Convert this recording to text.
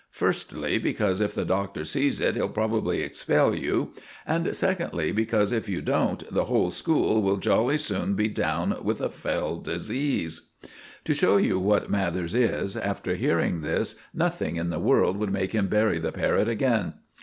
Firstly, because if the Doctor sees it he'll probably expel you; and secondly, because if you don't, the whole school will jolly soon be down with a fell disease." To show you what Mathers is, after hearing this, nothing in the world would make him bury the parrot again.